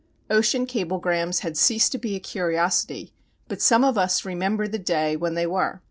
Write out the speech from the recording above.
Ocean cablegrams had ceased to be a curiosity, but some of us remember the day when they were.